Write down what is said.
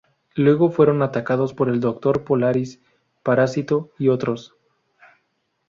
Luego fueron atacados por el Doctor Polaris, Parásito y otros.